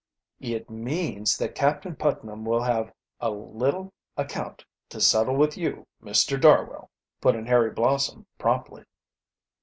"It means that Captain Putnam will have a little account to settle with you, Mr. Darwell," put in Harry Blossom promptly.